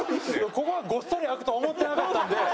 ここがごっそり空くとは思ってなかったんで。